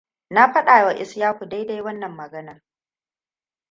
Na faɗa wa Ishaku dai-dai wannan maganar.